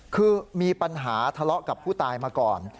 คือมีปัญหาทะเลาะกับผู้ตายมาก่อน